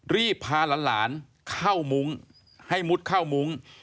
รีบพาหลานเข้ามุ้งให้มุดเข้ามุ้ง